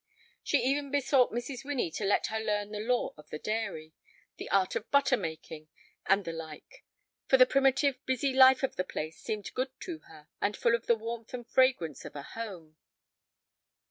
She even besought Mrs. Winnie to let her learn the lore of the dairy, the art of butter making, and the like; for the primitive, busy life of the place seemed good to her, and full of the warmth and fragrance of a home.